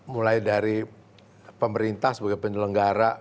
mulai dari pemerintah sebagai penyelenggara